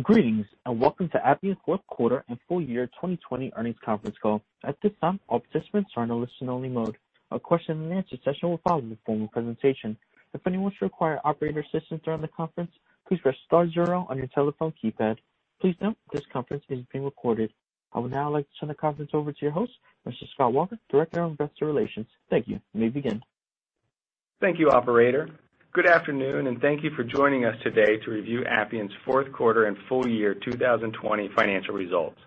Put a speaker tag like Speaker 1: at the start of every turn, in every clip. Speaker 1: Greetings, and welcome to Appian's fourth quarter and full year 2020 earnings conference call. At this time, all participants are in a listen-only mode. A question and answer session will follow the formal presentation. If anyone should require operator assistance during the conference, please press star zero on your telephone keypad. Please note this conference is being recorded. I would now like to turn the conference over to your host, Mr. Scott Walker, Director of Investor Relations. Thank you. You may begin.
Speaker 2: Thank you, operator. Good afternoon, thank you for joining us today to review Appian's fourth quarter and full year 2020 financial results.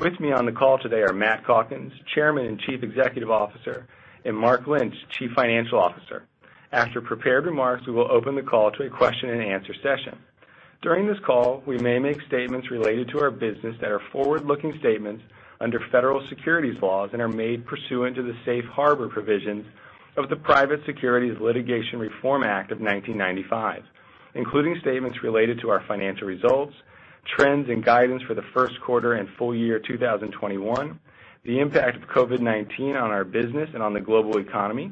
Speaker 2: With me on the call today are Matt Calkins, Chairman and Chief Executive Officer, and Mark Lynch, Chief Financial Officer. After prepared remarks, we will open the call to a question and answer session. During this call, we may make statements related to our business that are forward-looking statements under federal securities laws and are made pursuant to the Safe Harbor provisions of the Private Securities Litigation Reform Act of 1995, including statements related to our financial results, trends, and guidance for the first quarter and full year 2021, the impact of COVID-19 on our business and on the global economy,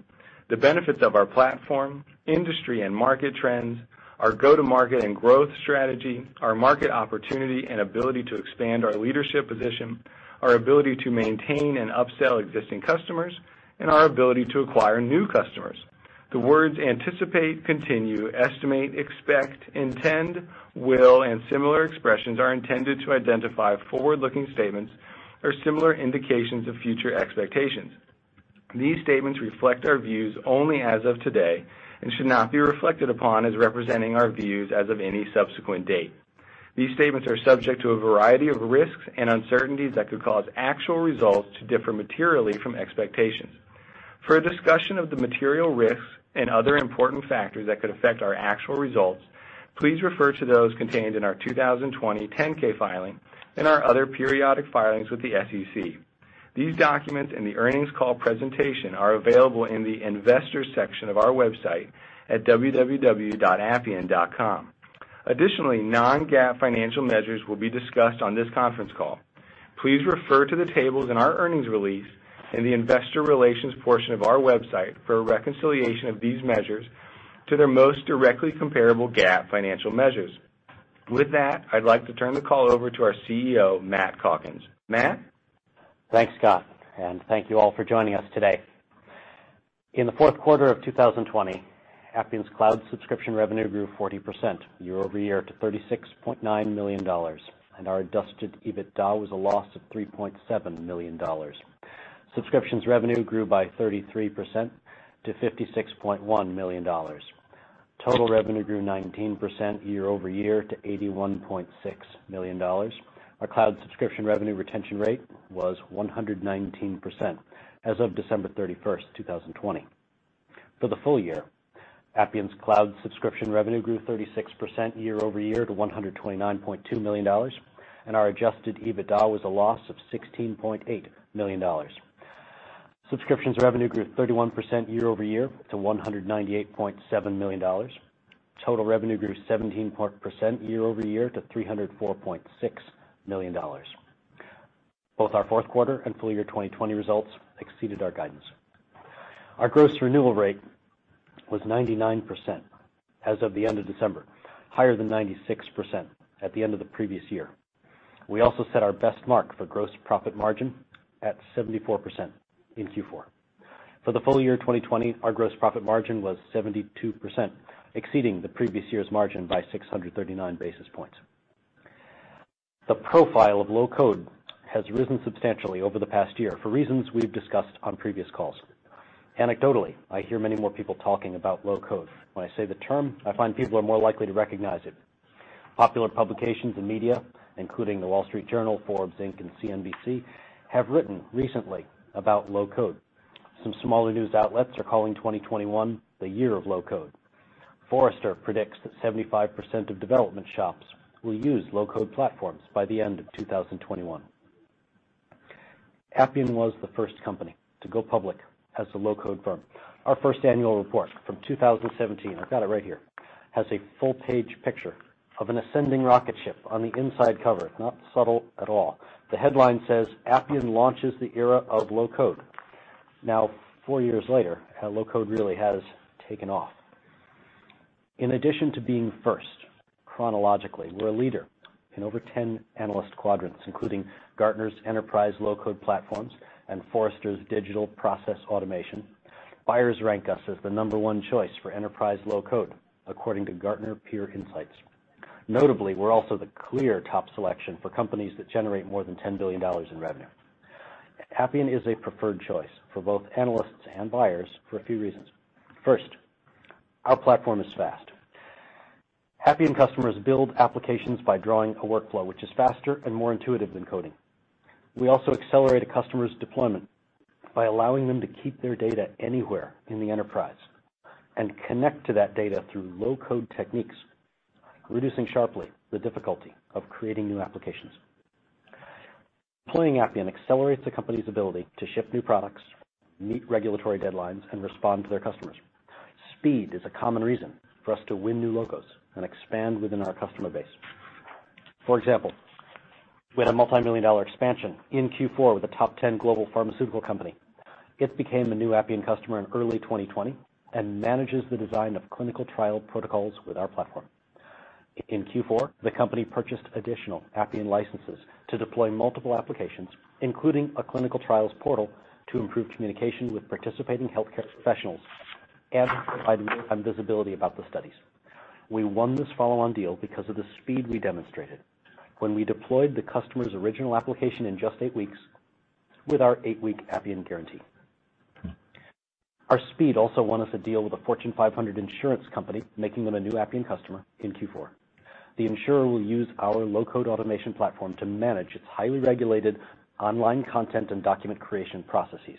Speaker 2: the benefits of our platform, industry and market trends, our go-to-market and growth strategy, our market opportunity and ability to expand our leadership position, our ability to maintain and upsell existing customers, and our ability to acquire new customers. The words anticipate, continue, estimate, expect, intend, will, and similar expressions are intended to identify forward-looking statements or similar indications of future expectations. These statements reflect our views only as of today and should not be reflected upon as representing our views as of any subsequent date. These statements are subject to a variety of risks and uncertainties that could cause actual results to differ materially from expectations. For a discussion of the material risks and other important factors that could affect our actual results, please refer to those contained in our 2020 10-K filing and our other periodic filings with the SEC. These documents and the earnings call presentation are available in the Investors section of our website at www.appian.com. Additionally, non-GAAP financial measures will be discussed on this conference call. Please refer to the tables in our earnings release in the investor relations portion of our website for a reconciliation of these measures to their most directly comparable GAAP financial measures. With that, I'd like to turn the call over to our CEO, Matt Calkins. Matt?
Speaker 3: Thanks, Scott, and thank you all for joining us today. In the fourth quarter of 2020, Appian's cloud subscription revenue grew 40% year-over-year to $36.9 million, and our adjusted EBITDA was a loss of $3.7 million. Subscriptions revenue grew by 33% to $56.1 million. Total revenue grew 19% year-over-year to $81.6 million. Our cloud subscription revenue retention rate was 119% as of December 31st, 2020. For the full year, Appian's cloud subscription revenue grew 36% year-over-year to $129.2 million, and our adjusted EBITDA was a loss of $16.8 million. Subscriptions revenue grew 31% year-over-year to $198.7 million. Total revenue grew 17% year-over-year to $304.6 million. Both our fourth quarter and full year 2020 results exceeded our guidance. Our gross renewal rate was 99% as of the end of December, higher than 96% at the end of the previous year. We also set our best mark for gross profit margin at 74% in Q4. For the full year 2020, our gross profit margin was 72%, exceeding the previous year's margin by 639 basis points. The profile of low-code has risen substantially over the past year for reasons we've discussed on previous calls. Anecdotally, I hear many more people talking about low-code. When I say the term, I find people are more likely to recognize it. Popular publications and media, including The Wall Street Journal, Forbes, Inc., and CNBC, have written recently about low-code. Some smaller news outlets are calling 2021 the year of low-code. Forrester predicts that 75% of development shops will use low-code platforms by the end of 2021. Appian was the first company to go public as a low-code firm. Our first annual report from 2017, I've got it right here, has a full-page picture of an ascending rocket ship on the inside cover. Not subtle at all. The headline says, "Appian launches the era of low-code." Four years later, low-code really has taken off. In addition to being first chronologically, we're a leader in over 10 analyst quadrants, including Gartner's Enterprise Low-Code Platforms and Forrester's Digital Process Automation. Buyers rank us as the number one choice for enterprise low-code, according to Gartner Peer Insights. Notably, we're also the clear top selection for companies that generate more than $10 billion in revenue. Appian is a preferred choice for both analysts and buyers for a few reasons. First, our platform is fast. Appian customers build applications by drawing a workflow, which is faster and more intuitive than coding. We also accelerate a customer's deployment by allowing them to keep their data anywhere in the enterprise and connect to that data through low-code techniques, reducing sharply the difficulty of creating new applications. Deploying Appian accelerates a company's ability to ship new products, meet regulatory deadlines, and respond to their customers. Speed is a common reason for us to win new logos and expand within our customer base. For example, we had a multimillion-dollar expansion in Q4 with a top 10 global pharmaceutical company. It became a new Appian customer in early 2020 and manages the design of clinical trial protocols with our platform. In Q4, the company purchased additional Appian licenses to deploy multiple applications, including a clinical trials portal, to improve communication with participating healthcare professionals and provide more visibility about the studies. We won this follow-on deal because of the speed we demonstrated when we deployed the customer's original application in just eight weeks with our 8-week Appian Guarantee. Our speed also won us a deal with a Fortune 500 insurance company, making them a new Appian customer in Q4. The insurer will use our low-code automation platform to manage its highly regulated online content and document creation processes.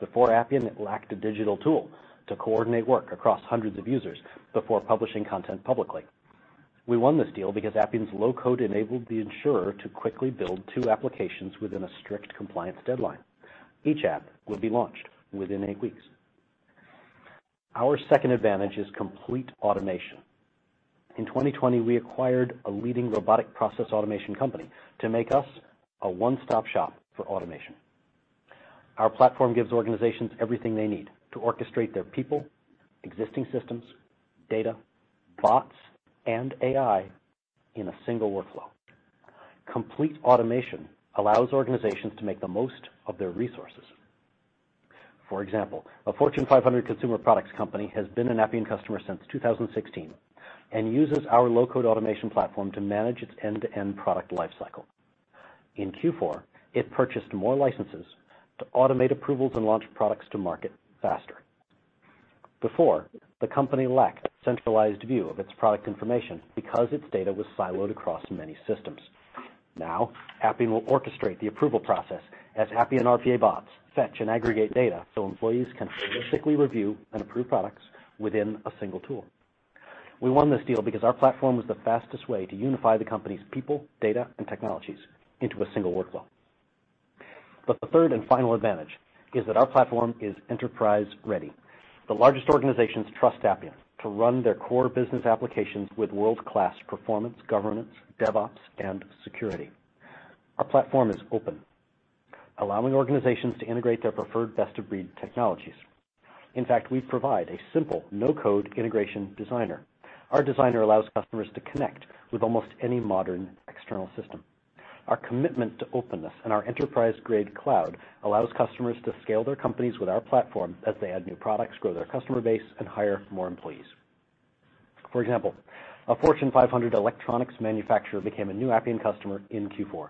Speaker 3: Before Appian, it lacked a digital tool to coordinate work across hundreds of users before publishing content publicly. We won this deal because Appian's low-code enabled the insurer to quickly build two applications within a strict compliance deadline. Each app will be launched within eight weeks. Our second advantage is complete automation. In 2020, we acquired a leading robotic process automation company to make us a one-stop shop for automation. Our platform gives organizations everything they need to orchestrate their people, existing systems, data, bots, and AI in a single workflow. Complete automation allows organizations to make the most of their resources. For example, a Fortune 500 consumer products company has been an Appian customer since 2016 and uses our low-code automation platform to manage its end-to-end product lifecycle. In Q4, it purchased more licenses to automate approvals and launch products to market faster. Before, the company lacked a centralized view of its product information because its data was siloed across many systems. Now, Appian will orchestrate the approval process as Appian RPA bots fetch and aggregate data so employees can holistically review and approve products within a single tool. We won this deal because our platform was the fastest way to unify the company's people, data, and technologies into a single workflow. The third and final advantage is that our platform is enterprise-ready. The largest organizations trust Appian to run their core business applications with world-class performance, governance, DevOps, and security. Our platform is open, allowing organizations to integrate their preferred best-of-breed technologies. In fact, we provide a simple no-code integration designer. Our designer allows customers to connect with almost any modern external system. Our commitment to openness and our enterprise-grade cloud allows customers to scale their companies with our platform as they add new products, grow their customer base, and hire more employees. For example, a Fortune 500 electronics manufacturer became a new Appian customer in Q4.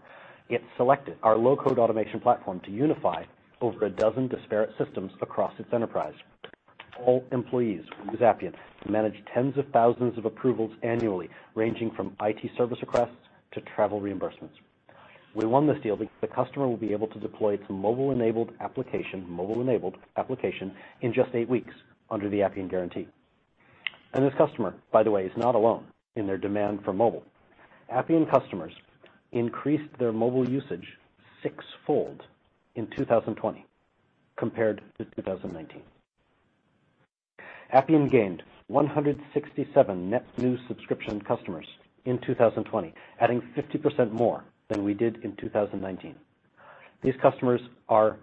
Speaker 3: It selected our low-code automation platform to unify over a dozen disparate systems across its enterprise. All employees will use Appian to manage tens of thousands of approvals annually, ranging from IT service requests to travel reimbursements. We won this deal because the customer will be able to deploy its mobile-enabled application in just eight weeks under the Appian Guarantee. This customer, by the way, is not alone in their demand for mobile. Appian customers increased their mobile usage sixfold in 2020 compared to 2019. Appian gained 167 net new subscription customers in 2020, adding 50% more than we did in 2019. These customers are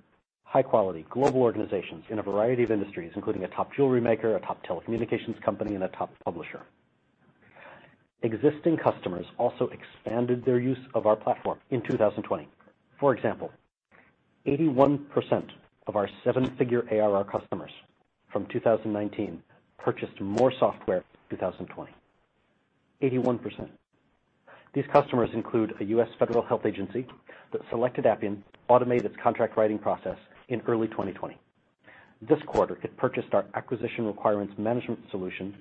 Speaker 3: high-quality global organizations in a variety of industries, including a top jewelry maker, a top telecommunications company, and a top publisher. Existing customers also expanded their use of our platform in 2020. For example, 81% of our seven-figure ARR customers from 2019 purchased more software in 2020. 81%. These customers include a U.S. federal health agency that selected Appian to automate its contract writing process in early 2020. This quarter, it purchased our Acquisition Requirements Management solution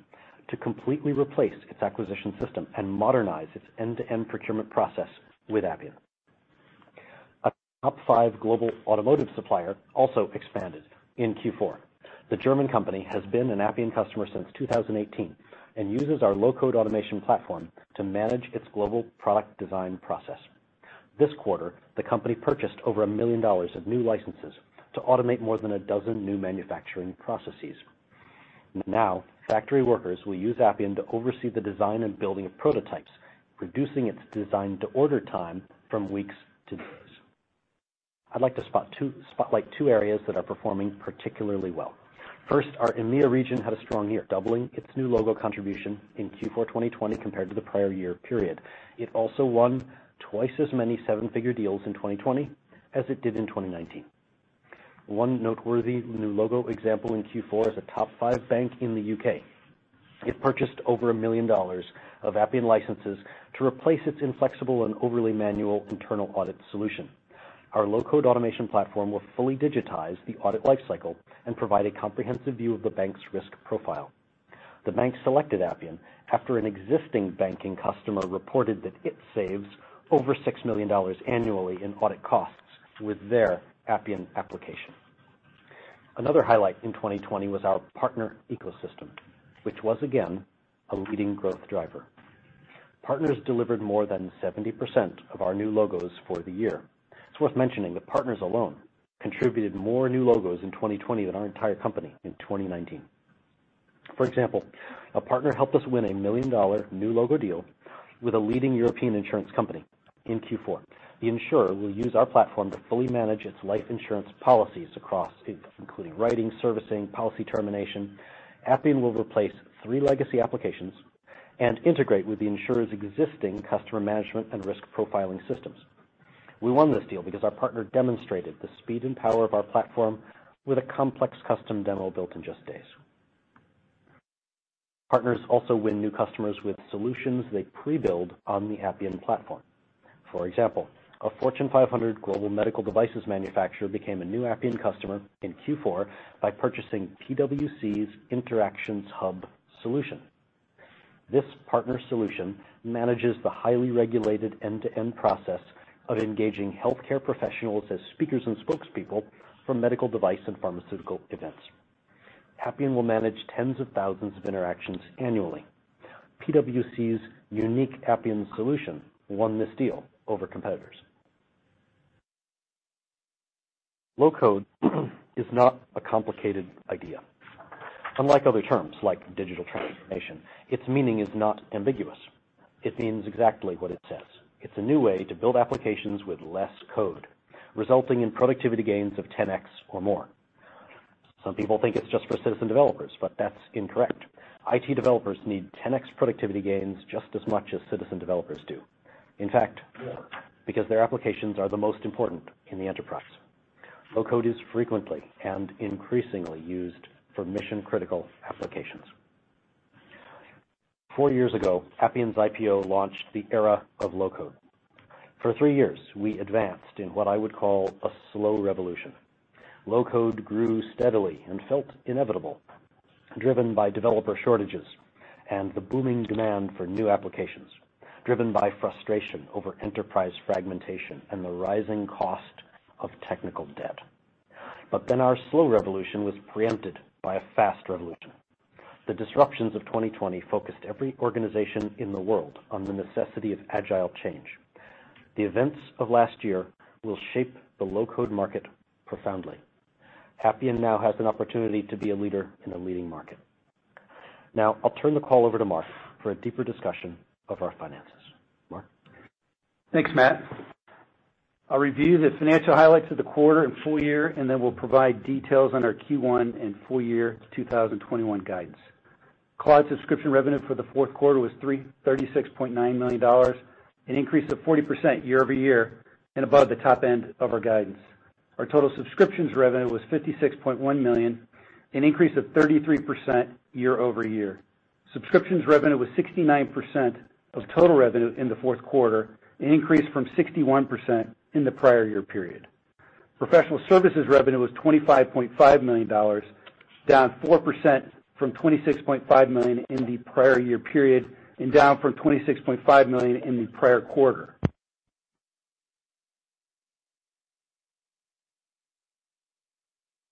Speaker 3: to completely replace its acquisition system and modernize its end-to-end procurement process with Appian. A top five global automotive supplier also expanded in Q4. The German company has been an Appian customer since 2018 and uses our low-code automation platform to manage its global product design process. This quarter, the company purchased over $1 million of new licenses to automate more than a dozen new manufacturing processes. Now, factory workers will use Appian to oversee the design and building of prototypes, reducing its design-to-order time from weeks to days. I'd like to spotlight two areas that are performing particularly well. First, our EMEA region had a strong year, doubling its new logo contribution in Q4 2020 compared to the prior year period. It also won twice as many seven-figure deals in 2020 as it did in 2019. One noteworthy new logo example in Q4 is a top five bank in the U.K. It purchased over $1 million of Appian licenses to replace its inflexible and overly manual internal audit solution. Our low-code automation platform will fully digitize the audit lifecycle and provide a comprehensive view of the bank's risk profile. The bank selected Appian after an existing banking customer reported that it saves over $6 million annually in audit costs with their Appian application. Another highlight in 2020 was our partner ecosystem, which was again a leading growth driver. Partners delivered more than 70% of our new logos for the year. It's worth mentioning that partners alone contributed more new logos in 2020 than our entire company in 2019. For example, a partner helped us win a $1 million new logo deal with a leading European insurance company in Q4. The insurer will use our platform to fully manage its life insurance policies across, including writing, servicing, policy termination. Appian will replace three legacy applications and integrate with the insurer's existing customer management and risk profiling systems. We won this deal because our partner demonstrated the speed and power of our platform with a complex custom demo built in just days. Partners also win new customers with solutions they pre-build on the Appian platform. For example, a Fortune 500 global medical devices manufacturer became a new Appian customer in Q4 by purchasing PwC's Interactions Hub solution. This partner solution manages the highly regulated end-to-end process of engaging healthcare professionals as speakers and spokespeople for medical device and pharmaceutical events. Appian will manage tens of thousands of interactions annually. PwC's unique Appian solution won this deal over competitors. low-code is not a complicated idea. Unlike other terms like digital transformation, its meaning is not ambiguous. It means exactly what it says. It's a new way to build applications with less code, resulting in productivity gains of 10x or more. Some people think it's just for citizen developers, but that's incorrect. IT developers need 10x productivity gains just as much as citizen developers do. In fact, more, because their applications are the most important in the enterprise. Low-code is frequently and increasingly used for mission-critical applications. Four years ago, Appian's IPO launched the era of low-code. For three years, we advanced in what I would call a slow revolution. Low-code grew steadily and felt inevitable, driven by developer shortages and the booming demand for new applications, driven by frustration over enterprise fragmentation and the rising cost of technical debt. Our slow revolution was preempted by a fast revolution. The disruptions of 2020 focused every organization in the world on the necessity of agile change. The events of last year will shape the low-code market profoundly. Appian now has an opportunity to be a leader in a leading market. I'll turn the call over to Mark for a deeper discussion of our finances. Mark?
Speaker 4: Thanks, Matt. I'll review the financial highlights of the quarter and full year, and then we'll provide details on our Q1 and full year 2021 guidance. Cloud subscription revenue for the fourth quarter was $36.9 million, an increase of 40% year-over-year, and above the top end of our guidance. Our total subscriptions revenue was $56.1 million, an increase of 33% year-over-year. Subscriptions revenue was 69% of total revenue in the fourth quarter, an increase from 61% in the prior year period. Professional services revenue was $25.5 million, down 4% from $26.5 million in the prior year period, and down from $26.5 million in the prior quarter.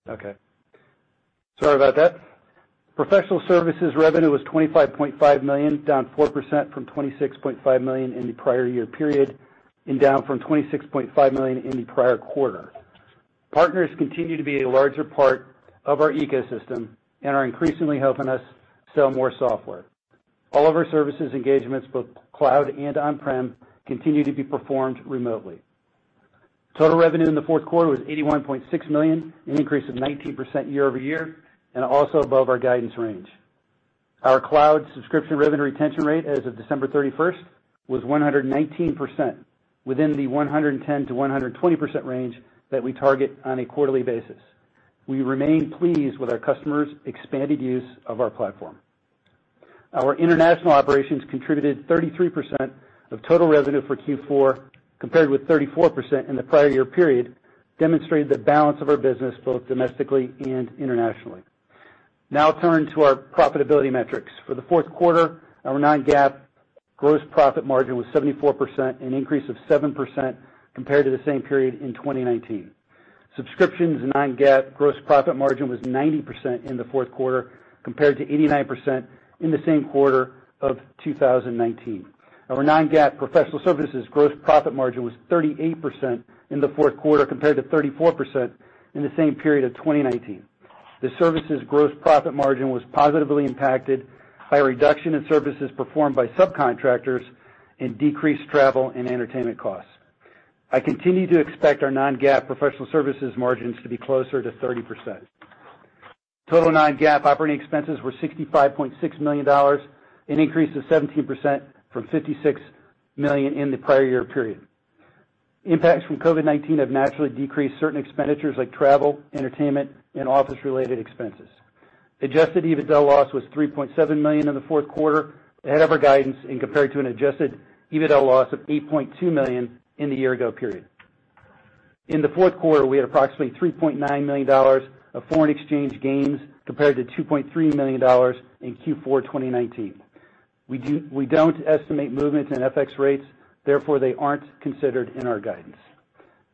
Speaker 4: Okay. Sorry about that. Professional services revenue was $25.5 million, down 4% from $26.5 million in the prior year period, and down from $26.5 million in the prior quarter. Partners continue to be a larger part of our ecosystem and are increasingly helping us sell more software. All of our services engagements, both cloud and on-prem, continue to be performed remotely. Total revenue in the fourth quarter was $81.6 million, an increase of 19% year-over-year, and also above our guidance range. Our Cloud subscription revenue retention rate as of December 31st was 119%, within the 110%-120% range that we target on a quarterly basis. We remain pleased with our customers' expanded use of our platform. Our international operations contributed 33% of total revenue for Q4, compared with 34% in the prior year period, demonstrating the balance of our business, both domestically and internationally. Now turning to our profitability metrics. For the fourth quarter, our non-GAAP gross profit margin was 74%, an increase of 7% compared to the same period in 2019. Subscriptions non-GAAP gross profit margin was 90% in the fourth quarter, compared to 89% in the same quarter of 2019. Our non-GAAP professional services gross profit margin was 38% in the fourth quarter, compared to 34% in the same period of 2019. The services gross profit margin was positively impacted by a reduction in services performed by subcontractors and decreased travel and entertainment costs. I continue to expect our non-GAAP professional services margins to be closer to 30%. Total non-GAAP operating expenses were $65.6 million, an increase of 17% from $56 million in the prior year period. Impacts from COVID-19 have naturally decreased certain expenditures like travel, entertainment, and office-related expenses. Adjusted EBITDA loss was $3.7 million in the fourth quarter, ahead of our guidance and compared to an adjusted EBITDA loss of $8.2 million in the year ago period. In the fourth quarter, we had approximately $3.9 million of foreign exchange gains, compared to $2.3 million in Q4 2019. We don't estimate movement in FX rates, therefore, they aren't considered in our guidance.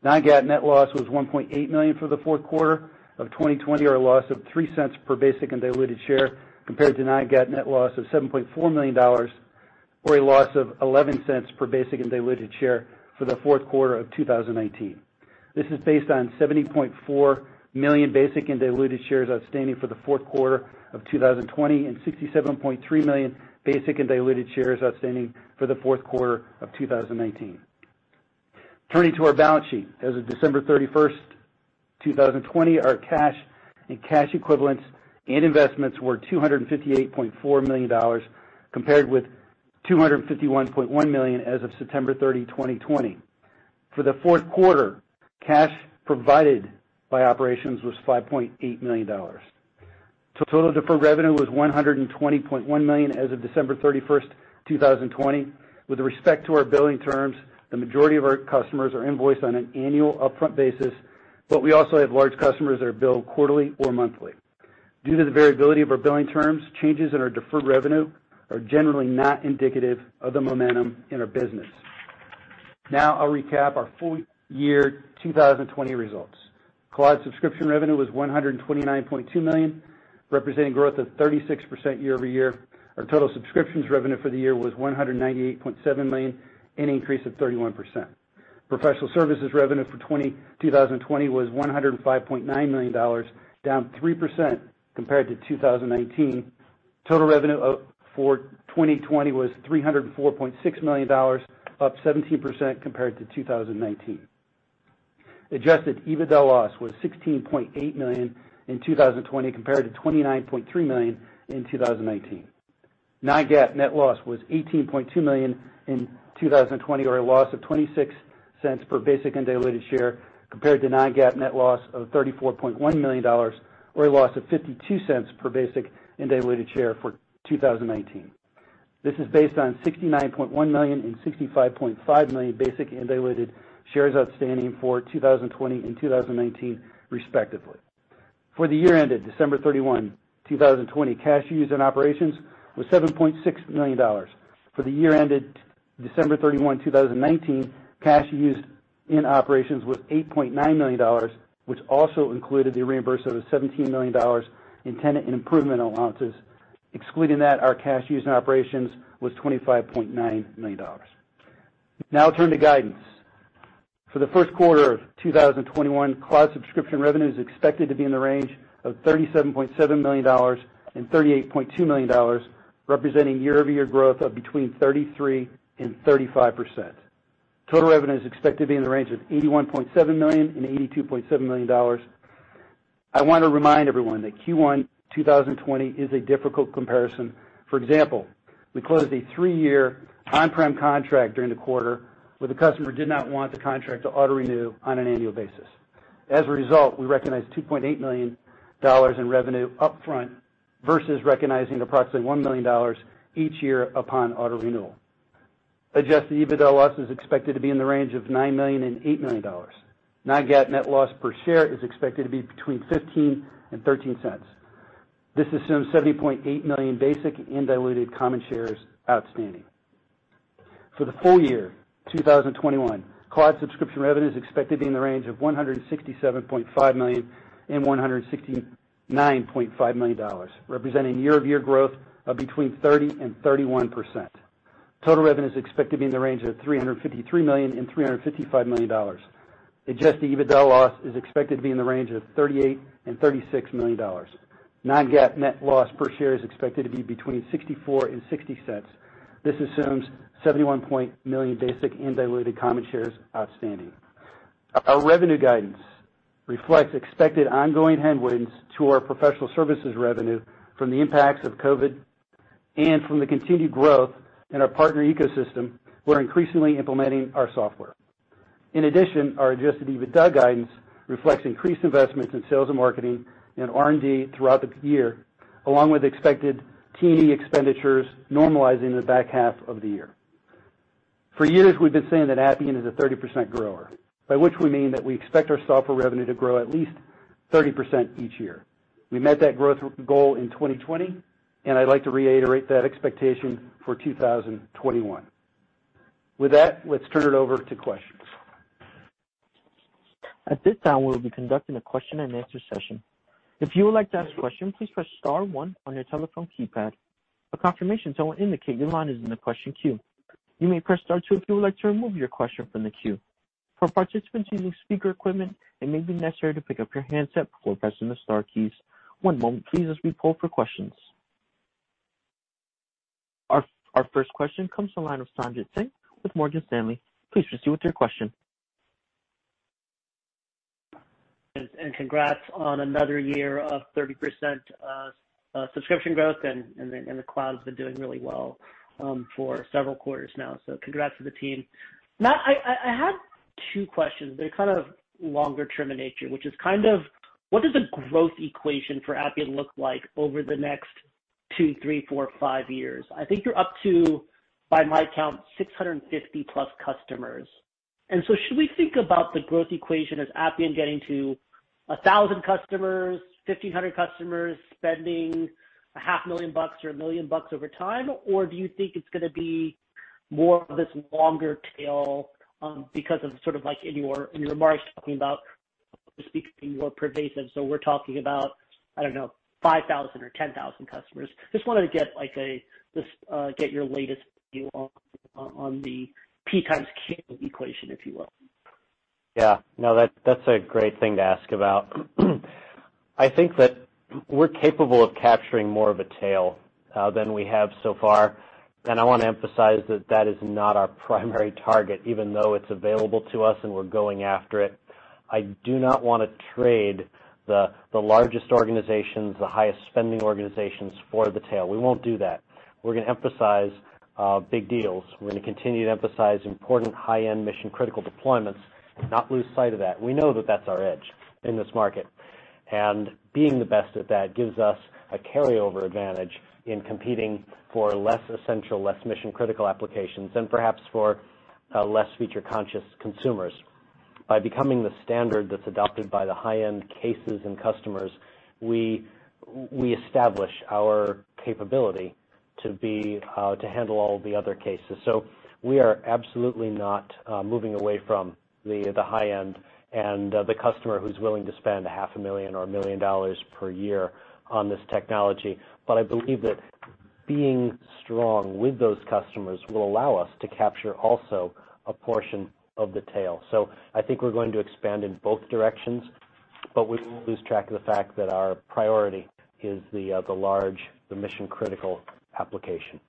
Speaker 4: Non-GAAP net loss was $1.8 million for the fourth quarter of 2020, or a loss of $0.03 per basic and diluted share, compared to non-GAAP net loss of $7.4 million, or a loss of $0.11 per basic and diluted share for the fourth quarter of 2019. This is based on 70.4 million basic and diluted shares outstanding for the fourth quarter of 2020, and 67.3 million basic and diluted shares outstanding for the fourth quarter of 2019. Turning to our balance sheet. As of December 31st, 2020, our cash and cash equivalents and investments were $258.4 million, compared with $251.1 million as of September 30, 2020. For the fourth quarter, cash provided by operations was $5.8 million. Total deferred revenue was $120.1 million as of December 31st, 2020. With respect to our billing terms, the majority of our customers are invoiced on an annual upfront basis, but we also have large customers that are billed quarterly or monthly. Due to the variability of our billing terms, changes in our deferred revenue are generally not indicative of the momentum in our business. I'll recap our full year 2020 results. Cloud subscription revenue was $129.2 million, representing growth of 36% year-over-year. Our total subscriptions revenue for the year was $198.7 million, an increase of 31%. Professional services revenue for 2020 was $105.9 million, down 3% compared to 2019. Total revenue up for 2020 was $304.6 million, up 17% compared to 2019. Adjusted EBITDA loss was $16.8 million in 2020 compared to $29.3 million in 2019. Non-GAAP net loss was $18.2 million in 2020, or a loss of $0.26 per basic and diluted share compared to non-GAAP net loss of $34.1 million, or a loss of $0.52 per basic and diluted share for 2019. This is based on 69.1 million and 65.5 million basic and diluted shares outstanding for 2020 and 2019 respectively. For the year ended December 31, 2020, cash used in operations was $7.6 million. For the year ended December 31, 2019, cash used in operations was $8.9 million, which also included the reimbursement of $17 million in tenant and improvement allowances. Excluding that, our cash used in operations was $25.9 million. Now I'll turn to guidance. For the first quarter of 2021, cloud subscription revenue is expected to be in the range of $37.7 million and $38.2 million, representing year-over-year growth of between 33% and 35%. Total revenue is expected to be in the range of $81.7 million and $82.7 million. I want to remind everyone that Q1 2020 is a difficult comparison. For example, we closed a three-year on-prem contract during the quarter where the customer did not want the contract to auto-renew on an annual basis. As a result, we recognized $2.8 million in revenue upfront versus recognizing approximately $1 million each year upon auto-renewal. Adjusted EBITDA loss is expected to be in the range of $9 million and $8 million. Non-GAAP net loss per share is expected to be between $0.15 and $0.13. This assumes 70.8 million basic and diluted common shares outstanding. For the full year 2021, cloud subscription revenue is expected to be in the range of $167.5 million and $169.5 million, representing year-over-year growth of between 30% and 31%. Total revenue is expected to be in the range of $353 million and $355 million. Adjusted EBITDA loss is expected to be in the range of $38 million and $36 million. Non-GAAP net loss per share is expected to be between $0.64 and $0.60. This assumes 71 million basic and diluted common shares outstanding. Our revenue guidance reflects expected ongoing headwinds to our professional services revenue from the impacts of COVID and from the continued growth in our partner ecosystem who are increasingly implementing our software. In addition, our adjusted EBITDA guidance reflects increased investments in sales and marketing and R&D throughout the year, along with expected T&E expenditures normalizing in the back half of the year. For years, we've been saying that Appian is a 30% grower, by which we mean that we expect our software revenue to grow at least 30% each year. We met that growth goal in 2020. I'd like to reiterate that expectation for 2021. With that, let's turn it over to questions.
Speaker 1: At this time, we'll be conducting a question and answer session. If you would like to ask a question, please press star one on your telephone keypad. A confirmation tone will indicate your line is in the question queue. You may press star two if you would like to remove your question from the queue. For participants using speaker equipment, it may be necessary to pick up your handset before pressing the star keys. One moment please, as we poll for questions. Our first question comes to the line of Sanjit Singh with Morgan Stanley. Please proceed with your question.
Speaker 5: Congrats on another year of 30% subscription growth and the cloud's been doing really well for several quarters now, so congrats to the team. I have two questions. They're kind of longer term in nature, which is kind of what does the growth equation for Appian look like over the next two, three, four, five years? I think you're up to, by my count, 650+ customers. Should we think about the growth equation as Appian getting to 1,000 customers, 1,500 customers, spending a $500,000 or a $1,000,000 over time? Do you think it's gonna be more of this longer tail because of sort of like in your remarks talking about just becoming more pervasive. We're talking about, I don't know, 5,000 or 10,000 customers. Just wanted to get your latest view on the [P x Q] equation, if you will.
Speaker 3: Yeah. No, that's a great thing to ask about. I think that we're capable of capturing more of a tail, than we have so far. I want to emphasize that that is not our primary target, even though it's available to us and we're going after it. I do not want to trade the largest organizations, the highest-spending organizations for the tail. We won't do that. We're going to emphasize big deals. We're going to continue to emphasize important high-end mission-critical deployments, not lose sight of that. We know that that's our edge in this market. Being the best at that gives us a carryover advantage in competing for less essential, less mission-critical applications, and perhaps for less feature-conscious consumers. By becoming the standard that's adopted by the high-end cases and customers, we establish our capability to handle all the other cases. We are absolutely not moving away from the high end and the customer who's willing to spend a $500,000 or $1,000,000 per year on this technology. I believe that being strong with those customers will allow us to capture also a portion of the tail. I think we're going to expand in both directions, but we won't lose track of the fact that our priority is the large, the mission-critical application.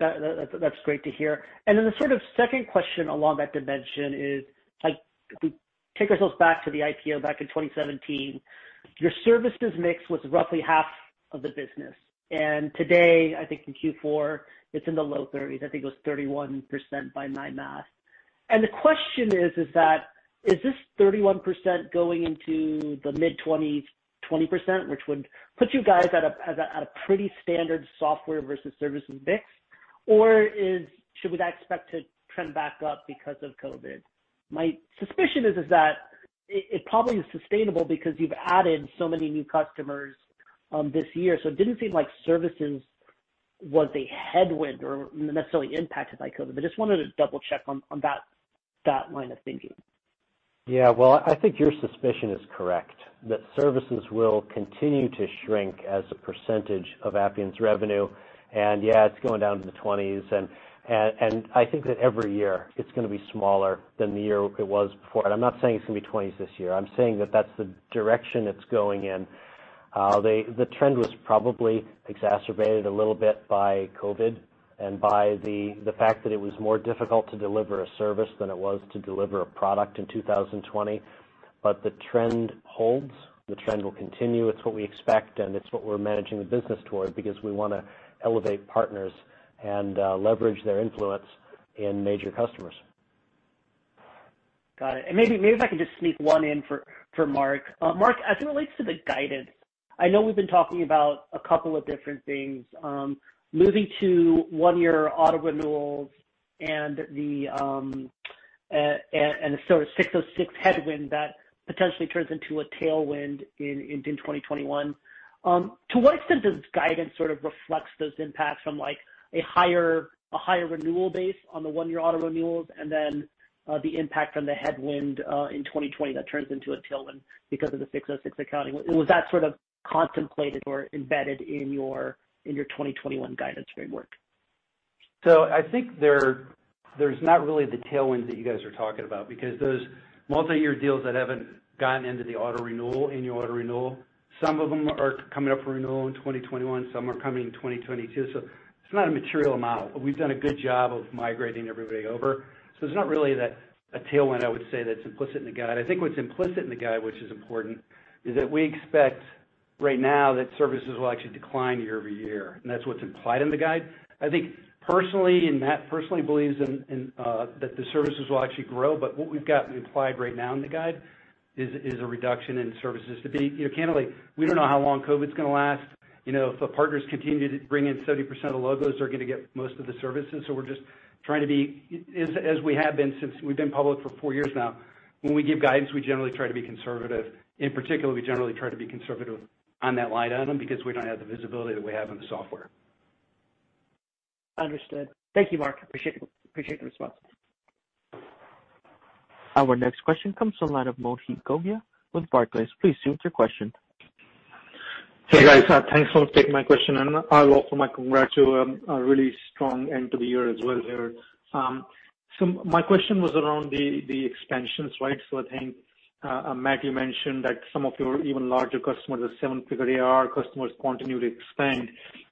Speaker 5: That's great to hear. The sort of second question along that dimension is, if we take ourselves back to the IPO back in 2017, your services mix was roughly half of the business. Today, I think in Q4, it's in the low 30s. I think it was 31% by my math. The question is that, is this 31% going into the mid-20%, which would put you guys at a pretty standard software versus services mix? Should we expect to trend back up because of COVID? My suspicion is that it probably is sustainable because you've added so many new customers this year. It didn't seem like services was a headwind or necessarily impacted by COVID, but just wanted to double-check on that line of thinking.
Speaker 3: Yeah. Well, I think your suspicion is correct, that services will continue to shrink as a percentage of Appian's revenue. Yeah, it's going down to the 20s, and I think that every year it's going to be smaller than the year it was before. I'm not saying it's going to be 20s this year. I'm saying that that's the direction it's going in. The trend was probably exacerbated a little bit by COVID and by the fact that it was more difficult to deliver a service than it was to deliver a product in 2020. The trend holds. The trend will continue. It's what we expect, and it's what we're managing the business toward because we want to elevate partners and leverage their influence in major customers.
Speaker 5: Got it. Maybe if I could just sneak one in for Mark. Mark, as it relates to the guidance, I know we've been talking about a couple of different things. Moving to one-year auto renewals and the sort of 606 headwind that potentially turns into a tailwind in 2021. To what extent does guidance sort of reflect those impacts from a higher renewal base on the one-year auto renewals and then the impact on the headwind in 2020 that turns into a tailwind because of the 606 accounting? Was that sort of contemplated or embedded in your 2021 guidance framework?
Speaker 4: I think there's not really the tailwind that you guys are talking about because those multi-year deals that haven't gotten into the annual auto renewal, some of them are coming up for renewal in 2021, some are coming in 2022. It's not a material amount, but we've done a good job of migrating everybody over. It's not really a tailwind, I would say, that's implicit in the guide. I think what's implicit in the guide, which is important, is that we expect right now that services will actually decline year-over-year, and that's what's implied in the guide. I think personally, and Matt personally believes that the services will actually grow, but what we've got implied right now in the guide is a reduction in services. To be candid, we don't know how long COVID's going to last. If the partners continue to bring in 70% of the logos, they're going to get most of the services. We're just trying to be, as we have been since we've been public for four years now, when we give guidance, we generally try to be conservative. In particular, we generally try to be conservative on that line item because we don't have the visibility that we have on the software.
Speaker 5: Understood. Thank you, Mark. Appreciate the response.
Speaker 1: Our next question comes from the line of Mohit Gogia with Barclays. Please state your question.
Speaker 6: Hey, guys. Thanks for taking my question. Also my congrats to a really strong end to the year as well there. My question was around the expansion, right? I think, Matt, you mentioned that some of your even larger customers, the seven-figure ARR customers, continue to expand.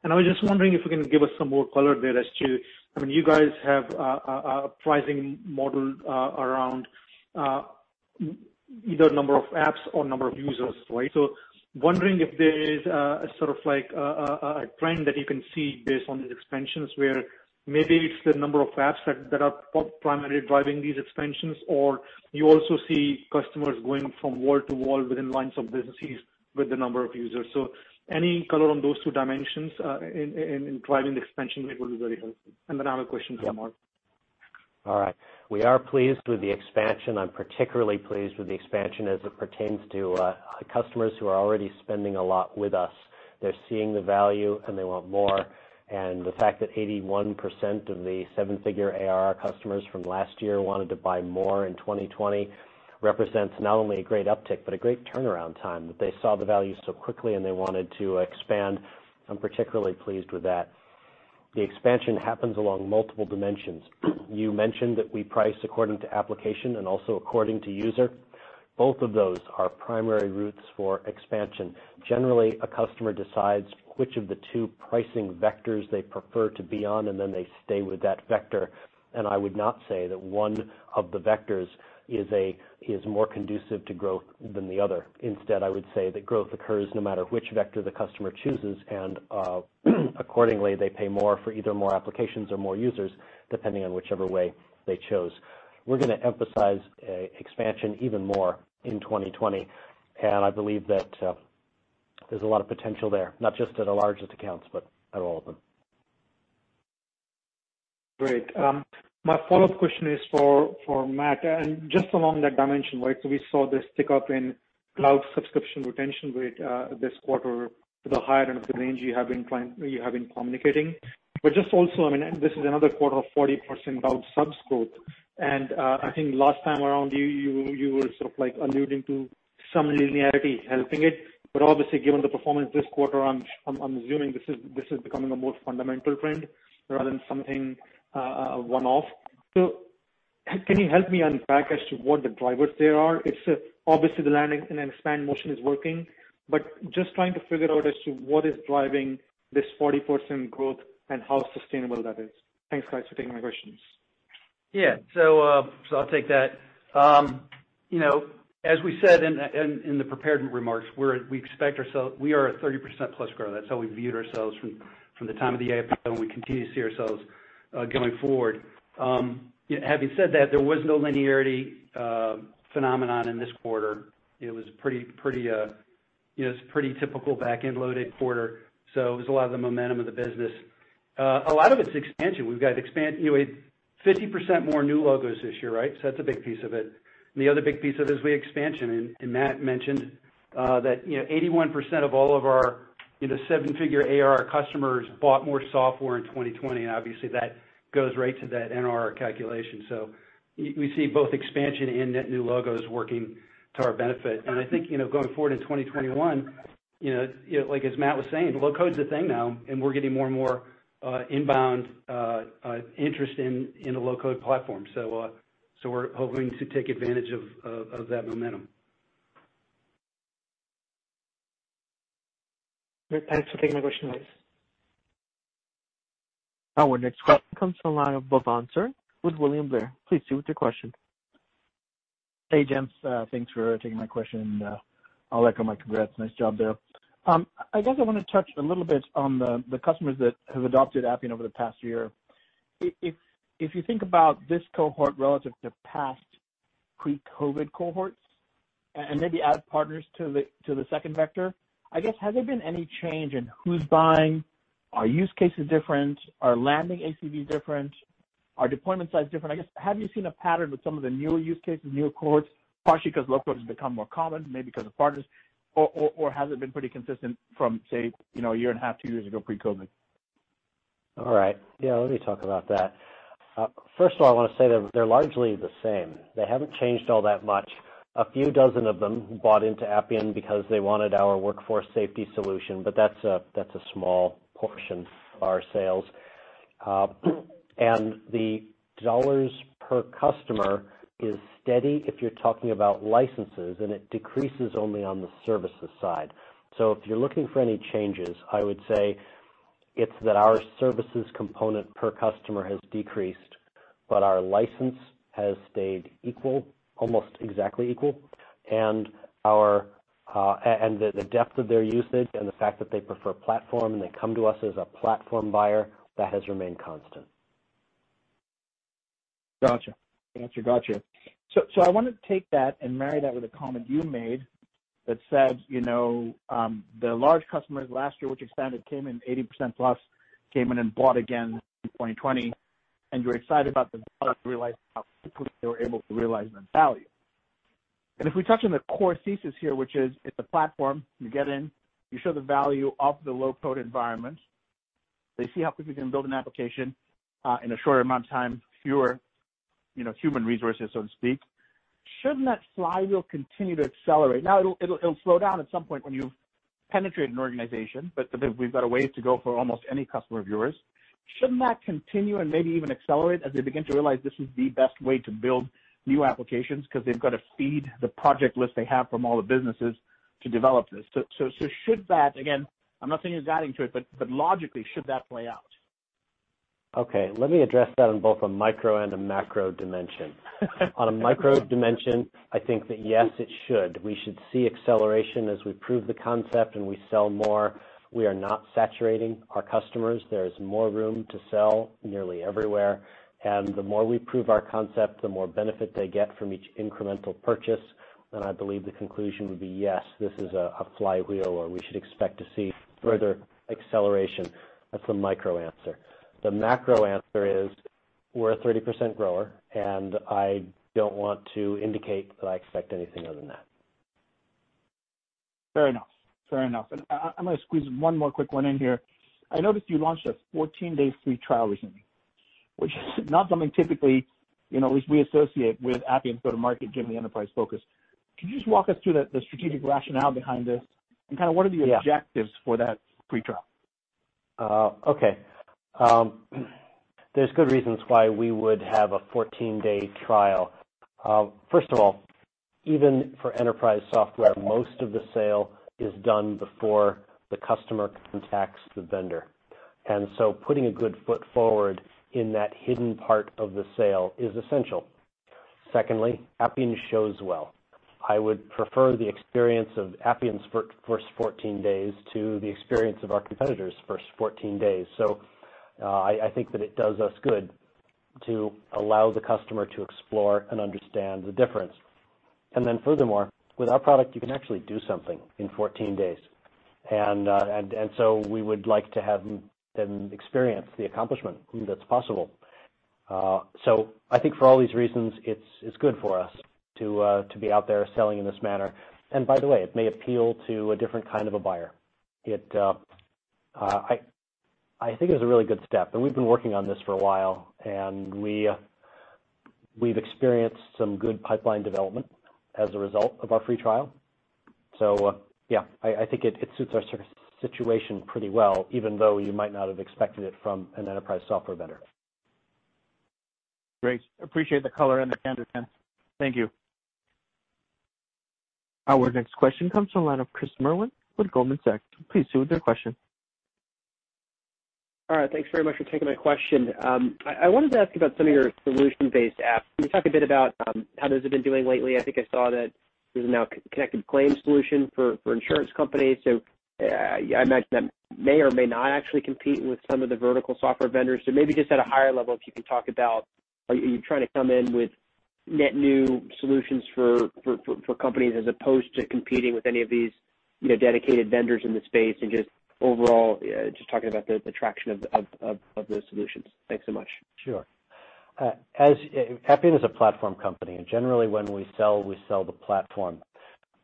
Speaker 6: I was just wondering if you can give us some more color there as to, you guys have a pricing model around either number of apps or number of users. Wondering if there is a trend that you can see based on the expansions, where maybe it's the number of apps that are primarily driving these expansions, or you also see customers going from wall to wall within lines of businesses with the number of users. Any color on those two dimensions in driving the expansion will be very helpful. I have a question for Mark.
Speaker 3: All right. We are pleased with the expansion. I'm particularly pleased with the expansion as it pertains to customers who are already spending a lot with us. They're seeing the value and they want more. The fact that 81% of the seven-figure ARR customers from last year wanted to buy more in 2020 represents not only a great uptick, but a great turnaround time, that they saw the value so quickly, and they wanted to expand. I'm particularly pleased with that. The expansion happens along multiple dimensions. You mentioned that we price according to application and also according to user. Both of those are primary routes for expansion. Generally, a customer decides which of the two pricing vectors they prefer to be on, and then they stay with that vector. I would not say that one of the vectors is more conducive to growth than the other. Instead, I would say that growth occurs no matter which vector the customer chooses, and accordingly, they pay more for either more applications or more users, depending on whichever way they chose. We're going to emphasize expansion even more in 2020, and I believe that there's a lot of potential there, not just at the largest accounts, but at all of them.
Speaker 6: Great. My follow-up question is for Mark, and just along that dimension. We saw this tick up in cloud subscription retention rate, this quarter to the higher end of the range you have been communicating. Just also, this is another quarter of 40% cloud subs growth. I think last time around, you were alluding to some linearity helping it. Obviously, given the performance this quarter, I'm assuming this is becoming a more fundamental trend rather than something one-off. Can you help me unpack as to what the drivers there are? Obviously, the land and expand motion is working, but just trying to figure out as to what is driving this 40% growth and how sustainable that is. Thanks, guys, for taking my questions.
Speaker 4: Yeah. I'll take that. As we said in the prepared remarks, we are a 30% plus grower. That's how we viewed ourselves from the time of the IPO, and we continue to see ourselves going forward. Having said that, there was no linearity phenomenon in this quarter. It was a pretty typical back-end loaded quarter. It was a lot of the momentum of the business. A lot of it's expansion. We had 50% more new logos this year, right? That's a big piece of it. The other big piece of it is the expansion. Matt mentioned, that 81% of all of our seven-figure ARR customers bought more software in 2020, and obviously that goes right to that NRR calculation. We see both expansion and net new logos working to our benefit. I think, going forward in 2021, as Matt was saying, low-code's a thing now, and we're getting more and more inbound interest in the low-code platform. We're hoping to take advantage of that momentum.
Speaker 6: Great. Thanks for taking my question, guys.
Speaker 1: Our next question comes from the line of Bhavan Suri with William Blair. Please proceed with your question.
Speaker 7: Hey, gents. Thanks for taking my question, and I'll echo my congrats. Nice job there. I guess I want to touch a little bit on the customers that have adopted Appian over the past year. If you think about this cohort relative to past pre-COVID cohorts, and maybe add partners to the second vector, I guess, has there been any change in who's buying? Are use cases different? Are landing ACV different? Are deployment size different? I guess, have you seen a pattern with some of the newer use cases, newer cohorts, partially because low-code has become more common, maybe because of partners, or has it been pretty consistent from, say, a year and a half, two years ago, pre-COVID?
Speaker 3: All right. Yeah, let me talk about that. First of all, I want to say they're largely the same. They haven't changed all that much. A few dozen of them bought into Appian because they wanted our Workforce Safety Solution. That's a small portion of our sales. The dollars per customer is steady if you're talking about licenses. It decreases only on the services side. If you're looking for any changes, I would say it's that our services component per customer has decreased, our license has stayed equal, almost exactly equal. The depth of their usage and the fact that they prefer platform and they come to us as a platform buyer, that has remained constant.
Speaker 7: Gotcha. I want to take that and marry that with a comment you made that said the large customers last year, which expanded, came in 80%+, came in and bought again in 2020. You're excited about the product they were able to realize and the value. If we touch on the core thesis here, which is it's a platform. You get in, you show the value of the low-code environment. They see how quickly they can build an application, in a shorter amount of time, fewer human resources, so to speak. Shouldn't that flywheel continue to accelerate? Now, it'll slow down at some point when you've penetrated an organization, but we've got a ways to go for almost any customer of yours. Shouldn't that continue and maybe even accelerate as they begin to realize this is the best way to build new applications because they've got to feed the project list they have from all the businesses to develop this? Should that, again, I'm not saying it's adding to it, but logically, should that play out?
Speaker 3: Okay. Let me address that on both a micro and a macro dimension. On a micro dimension, I think that, yes, it should. We should see acceleration as we prove the concept and we sell more. We are not saturating our customers. There is more room to sell nearly everywhere. The more we prove our concept, the more benefit they get from each incremental purchase. I believe the conclusion would be, yes, this is a flywheel, or we should expect to see further acceleration. That's the micro answer. The macro answer is. We're a 30% grower, and I don't want to indicate that I expect anything other than that.
Speaker 7: Fair enough. I'm going to squeeze one more quick one in here. I noticed you launched a 14-day free trial recently, which is not something typically, at least we associate with Appian go-to-market, given the enterprise focus. Could you just walk us through the strategic rationale behind this and what are the objectives for that free trial?
Speaker 3: Okay. There's good reasons why we would have a 14-day trial. First of all, even for enterprise software, most of the sale is done before the customer contacts the vendor. Putting a good foot forward in that hidden part of the sale is essential. Secondly, Appian shows well. I would prefer the experience of Appian's first 14 days to the experience of our competitor's first 14 days. I think that it does us good to allow the customer to explore and understand the difference. Furthermore, with our product, you can actually do something in 14 days. We would like to have them experience the accomplishment that's possible. I think for all these reasons, it's good for us to be out there selling in this manner. By the way, it may appeal to a different kind of a buyer. I think it was a really good step, and we've been working on this for a while, and we've experienced some good pipeline development as a result of our free trial. Yeah, I think it suits our situation pretty well, even though you might not have expected it from an enterprise software vendor.
Speaker 7: Great. Appreciate the color and the understanding. Thank you.
Speaker 1: Our next question comes from the line of Chris Merwin with Goldman Sachs. Please proceed with your question.
Speaker 8: All right. Thanks very much for taking my question. I wanted to ask about some of your solution-based apps. Can you talk a bit about how those have been doing lately? I think I saw that there's now a Connected Claims Solution for insurance companies. I imagine that may or may not actually compete with some of the vertical software vendors. Maybe just at a higher level, if you can talk about, are you trying to come in with net new solutions for companies as opposed to competing with any of these dedicated vendors in the space and just overall, just talking about the traction of those solutions. Thanks so much.
Speaker 3: Sure. Appian is a platform company, and generally when we sell, we sell the platform.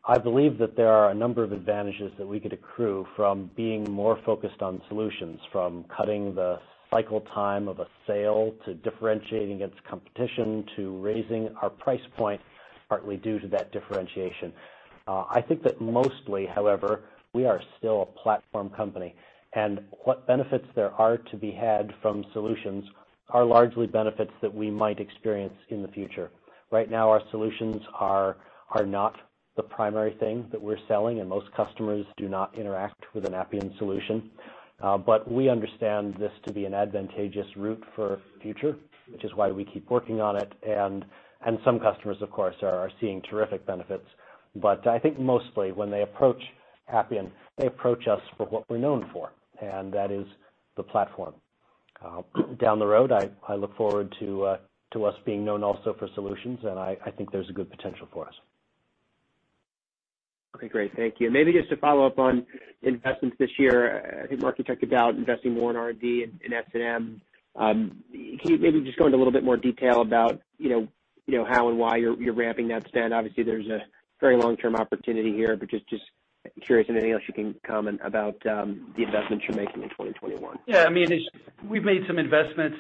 Speaker 3: I believe that there are a number of advantages that we could accrue from being more focused on solutions, from cutting the cycle time of a sale, to differentiating against competition, to raising our price point, partly due to that differentiation. I think that mostly, however, we are still a platform company, and what benefits there are to be had from solutions are largely benefits that we might experience in the future. Right now, our solutions are not the primary thing that we're selling, and most customers do not interact with an Appian solution. We understand this to be an advantageous route for the future, which is why we keep working on it. Some customers, of course, are seeing terrific benefits. I think mostly when they approach Appian, they approach us for what we're known for, and that is the platform. Down the road, I look forward to us being known also for solutions, and I think there's a good potential for us.
Speaker 8: Okay, great. Thank you. Maybe just to follow up on investments this year, I think Mark talked about investing more in R&D and in S&M. Can you maybe just go into a little bit more detail about how and why you're ramping that spend? Obviously, there's a very long-term opportunity here, but just curious if anything else you can comment about the investments you're making in 2021.
Speaker 4: We've made some investments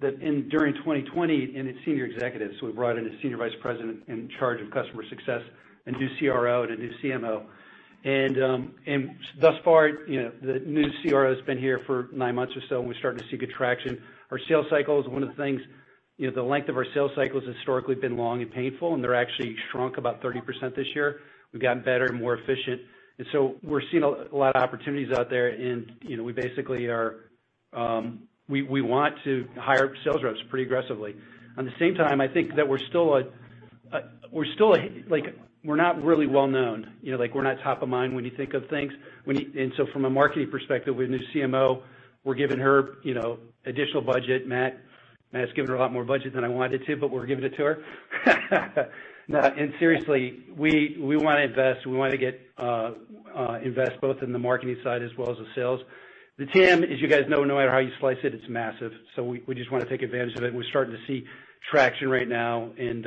Speaker 4: during 2020 in senior executives. We brought in a senior vice president in charge of customer success, a new CRO, and a new CMO. Thus far, the new CRO has been here for nine months or so, and we're starting to see good traction. Our sales cycles, one of the things, the length of our sales cycles historically have been long and painful, and they've actually shrunk about 30% this year. We've gotten better and more efficient. We're seeing a lot of opportunities out there, and we want to hire sales reps pretty aggressively. At the same time, I think that we're not really well-known. We're not top of mind when you think of things. From a marketing perspective, with a new CMO, we're giving her additional budget. Matt has given her a lot more budget than I wanted to, we're giving it to her. No, seriously, we want to invest both in the marketing side as well as the sales. The TAM, as you guys know, no matter how you slice it's massive. We just want to take advantage of it, and we're starting to see traction right now and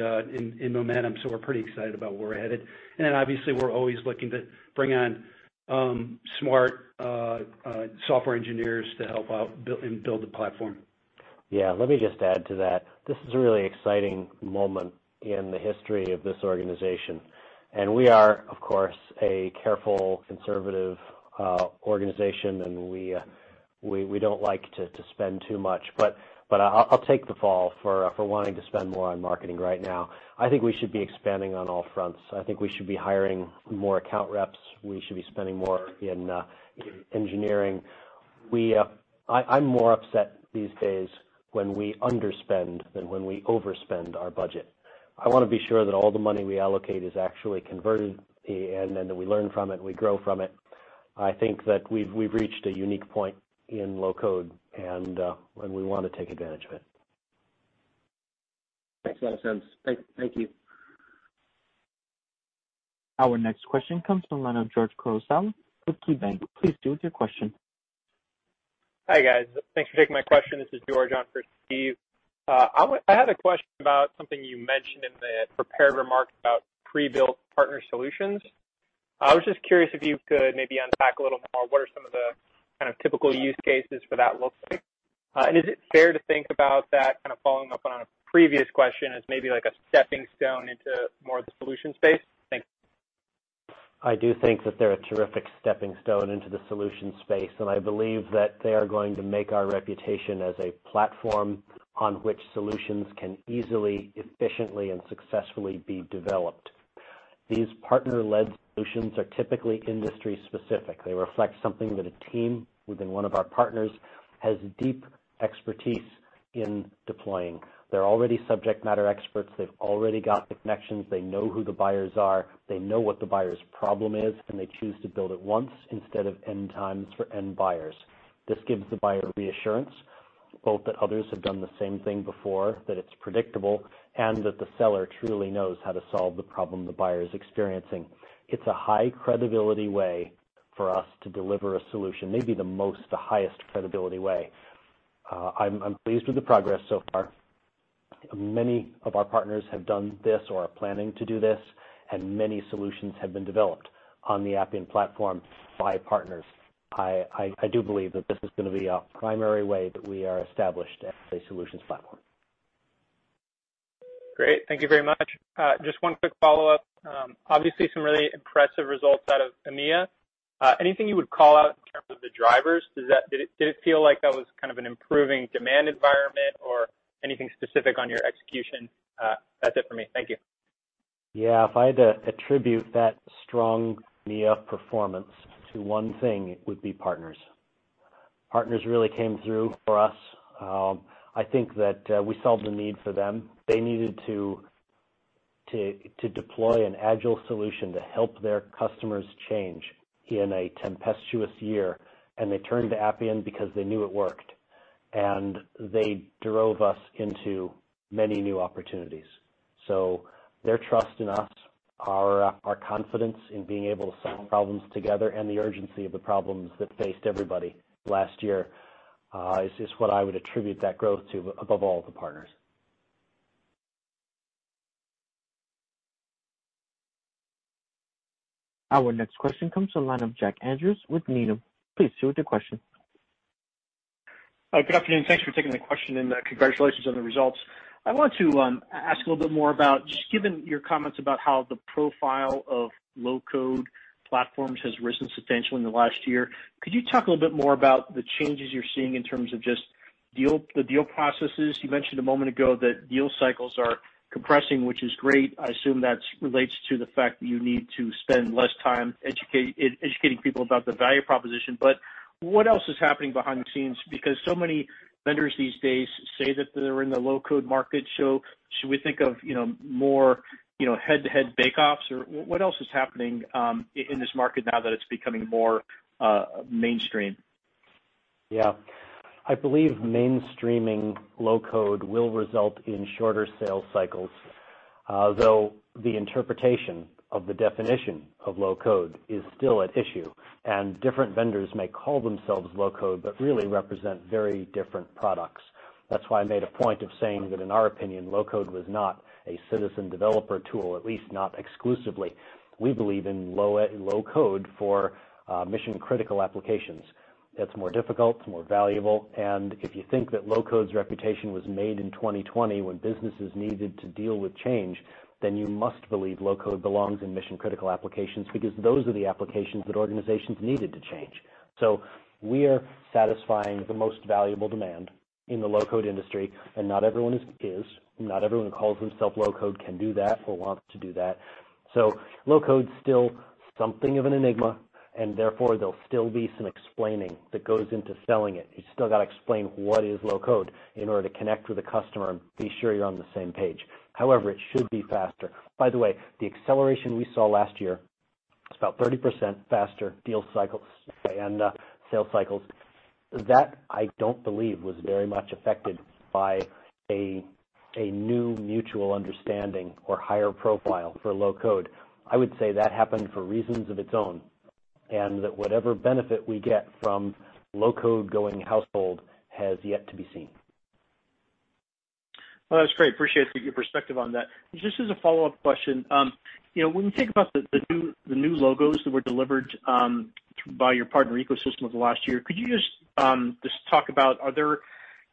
Speaker 4: momentum. We're pretty excited about where we're headed. Obviously, we're always looking to bring on smart software engineers to help out and build the platform.
Speaker 3: Yeah, let me just add to that. This is a really exciting moment in the history of this organization. We are, of course, a careful, conservative organization, and we don't like to spend too much. I'll take the fall for wanting to spend more on marketing right now. I think we should be expanding on all fronts. I think we should be hiring more account reps. We should be spending more in engineering. I'm more upset these days when we underspend than when we overspend our budget. I want to be sure that all the money we allocate is actually converted, and then that we learn from it, and we grow from it. I think that we've reached a unique point in low-code, and we want to take advantage of it.
Speaker 8: Makes a lot of sense. Thank you.
Speaker 1: Our next question comes from the line of George Kurosawa with KeyBanc. Please go with your question.
Speaker 9: Hi, guys. Thanks for taking my question. This is George on for Steve. I had a question about something you mentioned in the prepared remarks about pre-built partner solutions. I was just curious if you could maybe unpack a little more, what are some of the kind of typical use cases for that look like? Is it fair to think about that kind of following up on a previous question as maybe like a stepping stone into more of the solution space? Thanks.
Speaker 3: I do think that they're a terrific stepping stone into the solution space, and I believe that they are going to make our reputation as a platform on which solutions can easily, efficiently, and successfully be developed. These partner-led solutions are typically industry-specific. They reflect something that a team within one of our partners has deep expertise in deploying. They're already subject matter experts. They've already got the connections. They know who the buyers are, they know what the buyer's problem is, and they choose to build it once instead of N times for N buyers. This gives the buyer reassurance, both that others have done the same thing before, that it's predictable, and that the seller truly knows how to solve the problem the buyer is experiencing. It's a high-credibility way for us to deliver a solution, maybe the most, the highest credibility way. I'm pleased with the progress so far. Many of our partners have done this or are planning to do this, and many solutions have been developed on the Appian platform by partners. I do believe that this is going to be a primary way that we are established as a solutions platform.
Speaker 9: Great. Thank you very much. Just one quick follow-up. Obviously, some really impressive results out of EMEA. Anything you would call out in terms of the drivers? Did it feel like that was kind of an improving demand environment or anything specific on your execution? That's it for me. Thank you.
Speaker 3: Yeah. If I had to attribute that strong EMEA performance to one thing, it would be Partners. Partners really came through for us. I think that we solved a need for them. They needed to deploy an agile solution to help their customers change in a tempestuous year, and they turned to Appian because they knew it worked, and they drove us into many new opportunities. Their trust in us, our confidence in being able to solve problems together, and the urgency of the problems that faced everybody last year, is what I would attribute that growth to, above all, the partners.
Speaker 1: Our next question comes to the line of Jack Andrews with Needham. Please do with your question.
Speaker 10: Good afternoon. Thanks for taking the question, and congratulations on the results. I want to ask a little bit more about just given your comments about how the profile of low-code platforms has risen substantially in the last year, could you talk a little bit more about the changes you're seeing in terms of just the deal processes? You mentioned a moment ago that deal cycles are compressing, which is great. I assume that relates to the fact that you need to spend less time educating people about the value proposition. What else is happening behind the scenes? Because so many vendors these days say that they're in the low-code market. Should we think of more head-to-head bake-offs or what else is happening in this market now that it's becoming more mainstream?
Speaker 3: Yeah. I believe mainstreaming low-code will result in shorter sales cycles. Though the interpretation of the definition of low-code is still at issue, and different vendors may call themselves low-code, but really represent very different products. That's why I made a point of saying that, in our opinion, low-code was not a citizen developer tool, at least not exclusively. We believe in low-code for mission-critical applications. It's more difficult, it's more valuable, and if you think that low-code's reputation was made in 2020 when businesses needed to deal with change, then you must believe low-code belongs in mission-critical applications because those are the applications that organizations needed to change. We are satisfying the most valuable demand in the low-code industry, and not everyone is. Not everyone who calls themself low-code can do that or wants to do that. Low-code's still something of an enigma, and therefore, there'll still be some explaining that goes into selling it. You still got to explain what is low-code in order to connect with the customer and be sure you're on the same page. However, it should be faster. By the way, the acceleration we saw last year, it's about 30% faster deal cycles and sales cycles. That I don't believe was very much affected by a new mutual understanding or higher profile for low-code. I would say that happened for reasons of its own, and that whatever benefit we get from low-code going household has yet to be seen.
Speaker 10: Well, that's great. Appreciate your perspective on that. Just as a follow-up question, when we think about the new logos that were delivered by your partner ecosystem over the last year, could you just talk about, are there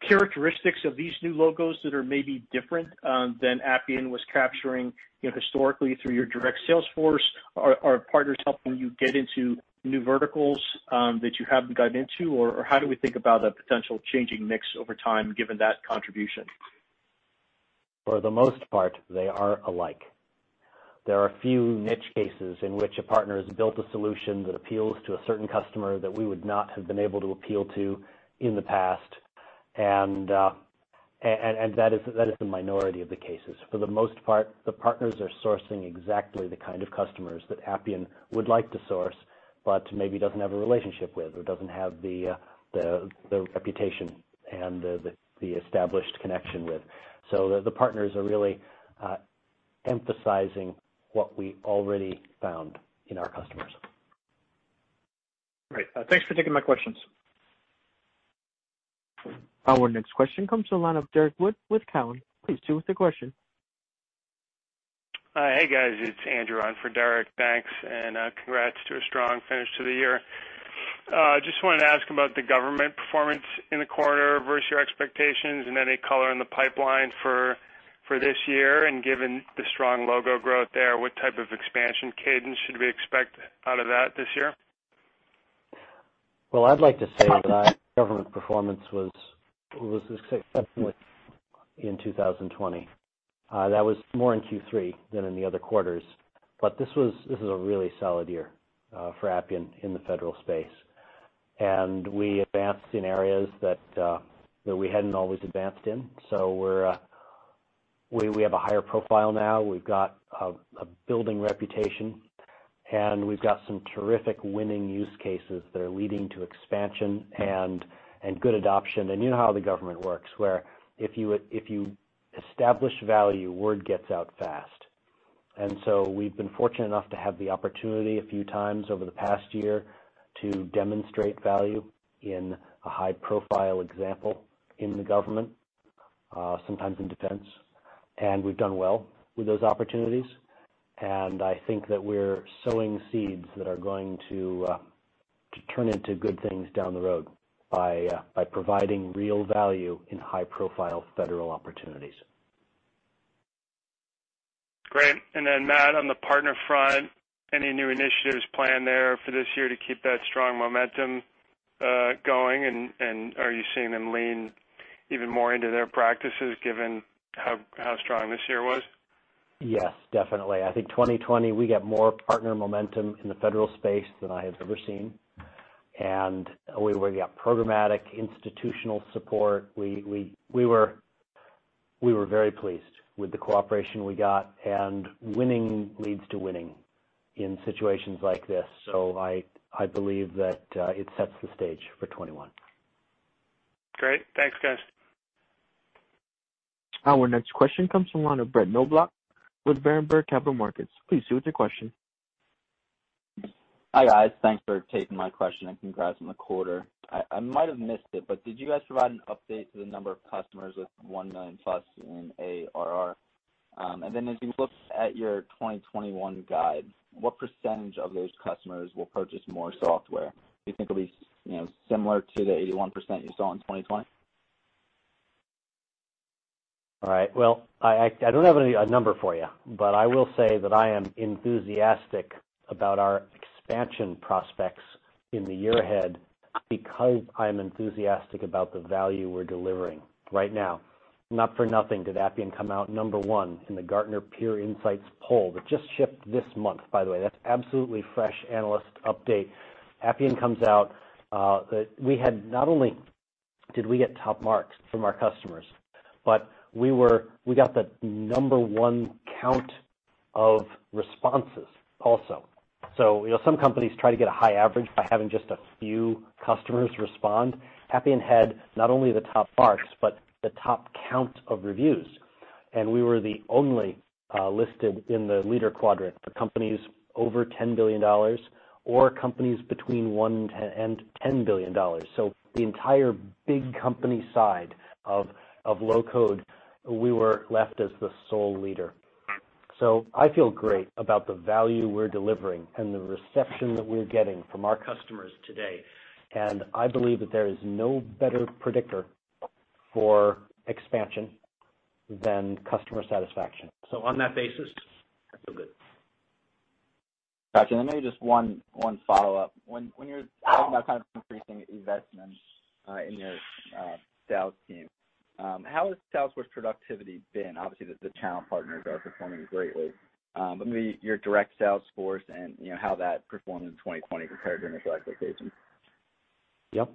Speaker 10: characteristics of these new logos that are maybe different than Appian was capturing historically through your direct sales force? Are partners helping you get into new verticals that you haven't gotten into? How do we think about a potential changing mix over time given that contribution?
Speaker 3: For the most part, they are alike. There are a few niche cases in which a partner has built a solution that appeals to a certain customer that we would not have been able to appeal to in the past, and that is the minority of the cases. For the most part, the partners are sourcing exactly the kind of customers that Appian would like to source, maybe doesn't have a relationship with or doesn't have the reputation and the established connection with. The partners are really emphasizing what we already found in our customers.
Speaker 10: Great. Thanks for taking my questions.
Speaker 1: Our next question comes from the line of Derrick Wood with Cowen. Please proceed with the question.
Speaker 11: Hey, guys. It's Andrew on for Derrick. Thanks, and congrats to a strong finish to the year. Just wanted to ask about the government performance in the quarter versus your expectations and any color in the pipeline for this year? Given the strong logo growth there, what type of expansion cadence should we expect out of that this year?
Speaker 3: I'd like to say that government performance was exceptionally in 2020. That was more in Q3 than in the other quarters. This was a really solid year for Appian in the federal space. We advanced in areas that we hadn't always advanced in. We have a higher profile now. We've got a building reputation, and we've got some terrific winning use cases that are leading to expansion and good adoption. You know how the government works, where if you establish value, word gets out fast. We've been fortunate enough to have the opportunity a few times over the past year to demonstrate value in a high-profile example in the government, sometimes in defense. We've done well with those opportunities, and I think that we're sowing seeds that are going to turn into good things down the road by providing real value in high-profile federal opportunities.
Speaker 11: Great. Matt, on the partner front, any new initiatives planned there for this year to keep that strong momentum going? Are you seeing them lean even more into their practices given how strong this year was?
Speaker 3: Yes, definitely. I think 2020, we got more partner momentum in the Federal space than I have ever seen. We got programmatic institutional support. We were very pleased with the cooperation we got and winning leads to winning in situations like this. I believe that it sets the stage for 2021.
Speaker 11: Great. Thanks, guys.
Speaker 1: Our next question comes from the line of Brett Knoblauch with Berenberg Capital Markets. Please proceed with your question.
Speaker 12: Hi. Thanks for taking my question, and congrats on the quarter. I might have missed it, but did you guys provide an update to the number of customers with $1 million plus in ARR? As you look at your 2021 guide, what percentage of those customers will purchase more software? Do you think it'll be similar to the 81% you saw in 2020?
Speaker 3: All right. Well, I don't have a number for you, but I will say that I am enthusiastic about our expansion prospects in the year ahead because I'm enthusiastic about the value we're delivering right now. Not for nothing did Appian come out number one in the Gartner Peer Insights poll that just shipped this month, by the way. That's absolutely fresh analyst update. Appian comes out. Not only did we get top marks from our customers, but we got the number one count of responses also. Some companies try to get a high average by having just a few customers respond. Appian had not only the top marks, but the top count of reviews. We were the only listed in the leader quadrant for companies over $10 billion or companies between $1 billion and $10 billion. The entire big company side of low-code, we were left as the sole leader. I feel great about the value we're delivering and the reception that we're getting from our customers today. I believe that there is no better predictor for expansion than customer satisfaction. On that basis, I feel good.
Speaker 12: Got you. Maybe just one follow-up. When you're talking about kind of increasing investment in your sales team, how has sales force productivity been? Obviously, the channel partners are performing greatly. Maybe your direct sales force and how that performed in 2020 compared to initial expectations.
Speaker 3: Yep.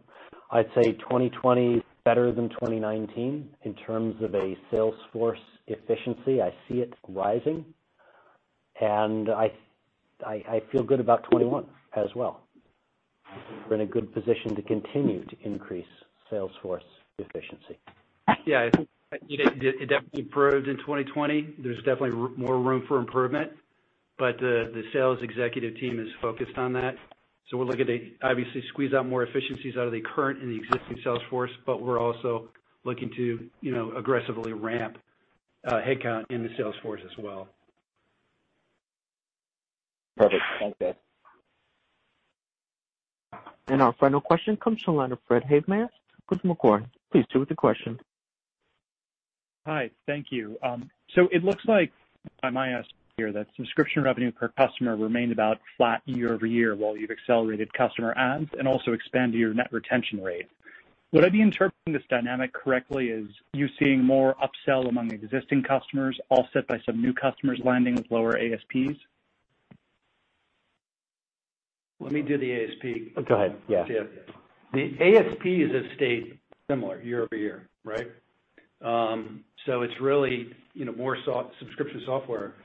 Speaker 3: I'd say 2020 better than 2019 in terms of a sales force efficiency. I see it rising, and I feel good about 2021 as well. We're in a good position to continue to increase sales force efficiency.
Speaker 4: Yeah, I think it definitely improved in 2020. There's definitely more room for improvement, the sales executive team is focused on that. We're looking to obviously squeeze out more efficiencies out of the current and the existing sales force, but we're also looking to aggressively ramp headcount in the sales force as well.
Speaker 12: Perfect. Thanks, guys.
Speaker 1: Our final question comes from the line of Fred Havemeyer with Macquarie. Please proceed with your question.
Speaker 13: Hi. Thank you. It looks like my ask here, that subscription revenue per customer remained about flat year-over-year while you've accelerated customer adds and also expanded your net retention rate. Would I be interpreting this dynamic correctly as you seeing more upsell among existing customers offset by some new customers landing with lower ASPs?
Speaker 4: Let me do the ASP.
Speaker 3: Go ahead. Yeah.
Speaker 4: The ASP has stayed similar year-over-year, right? So it's really more subscription software,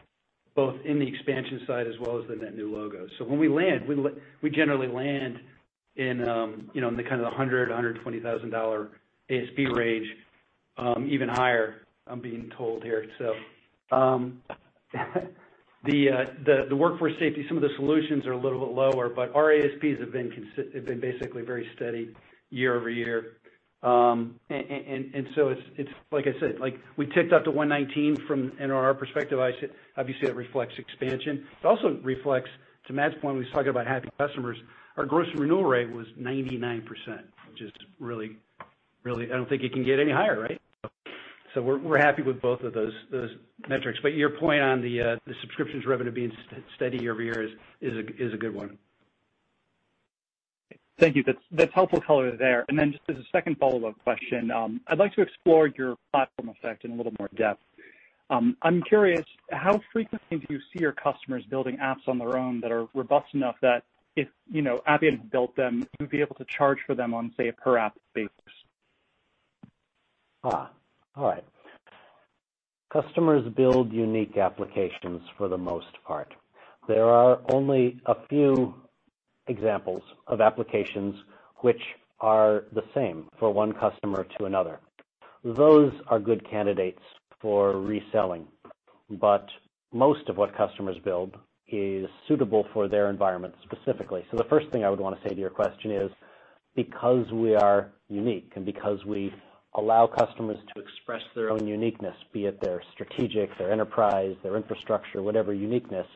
Speaker 4: both in the expansion side as well as the net new logos. When we land, we generally land in the kind of $100,000, $120,000 ASP range, even higher, I'm being told here. The Workforce Safety, some of the solutions are a little bit lower, but our ASPs have been basically very steady year-over-year. It's like I said, we ticked up to 119. Our perspective, obviously, that reflects expansion. It also reflects, to Matt's point when he was talking about happy customers, our gross renewal rate was 99%, which is really. I don't think it can get any higher, right? We're happy with both of those metrics. Your point on the subscriptions revenue being steady year-over-year is a good one.
Speaker 13: Thank you. That's helpful color there. Then just as a second follow-up question, I'd like to explore your platform effect in a little more depth. I'm curious, how frequently do you see your customers building apps on their own that are robust enough that if Appian built them, you'd be able to charge for them on, say, a per app basis?
Speaker 3: All right. Customers build unique applications, for the most part. There are only a few examples of applications which are the same for one customer to another. Those are good candidates for reselling, but most of what customers build is suitable for their environment specifically. The first thing I would want to say to your question is, because we are unique and because we allow customers to express their own uniqueness, be it their strategic, their enterprise, their infrastructure, whatever uniqueness,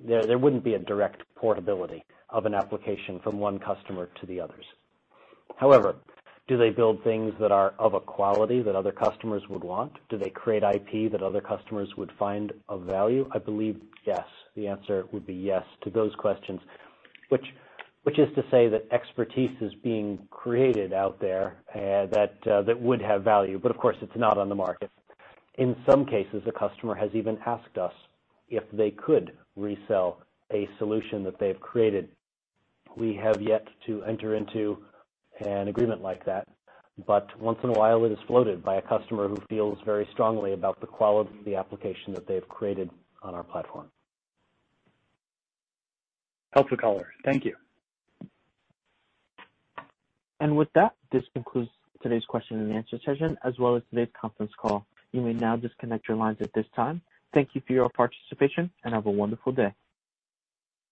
Speaker 3: there wouldn't be a direct portability of an application from one customer to the others. However, do they build things that are of a quality that other customers would want? Do they create IP that other customers would find of value? I believe, yes. The answer would be yes to those questions. Which is to say that expertise is being created out there that would have value. Of course, it's not on the market. In some cases, a customer has even asked us if they could resell a solution that they've created. We have yet to enter into an agreement like that, but once in a while, it is floated by a customer who feels very strongly about the quality of the application that they've created on our platform.
Speaker 13: Helpful color. Thank you.
Speaker 1: With that, this concludes today's question and answer session, as well as today's conference call. You may now disconnect your lines at this time. Thank you for your participation, and have a wonderful day.